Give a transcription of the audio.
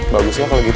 bagus lah kalo gitu